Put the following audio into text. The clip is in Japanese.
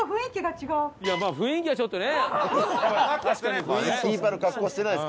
まあ雰囲気はちょっとね。